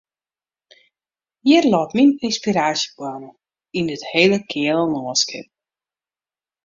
Hjir leit myn ynspiraasjeboarne, yn dit hele keale lânskip.